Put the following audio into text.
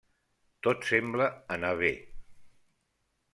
Tot sembla anar bé.